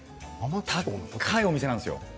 高いお店なんですよ。